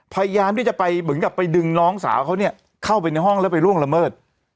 พยายามที่จะไปเหมือนกับไปดึงน้องสาวเขาเนี่ยเข้าไปในห้องแล้วไปล่วงละเมิด